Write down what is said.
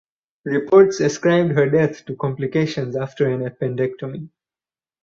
Reports ascribed her death to complications after an appendectomy.